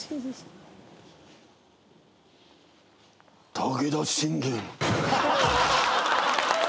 武田信玄。